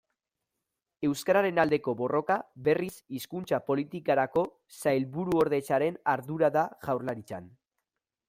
Euskararen aldeko borroka, berriz, Hizkuntza Politikarako Sailburuordetzaren ardura da Jaurlaritzan.